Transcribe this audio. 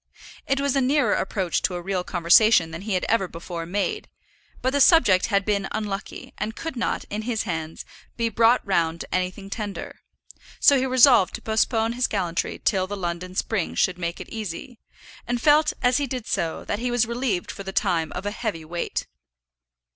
It was a nearer approach to a real conversation than he had ever before made; but the subject had been unlucky, and could not, in his hands, be brought round to anything tender; so he resolved to postpone his gallantry till the London spring should make it easy, and felt as he did so, that he was relieved for the time from a heavy weight.